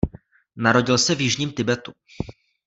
Narodil se v jižním Tibetu.